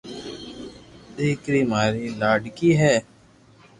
ديڪري ماري لاڌڪي ھي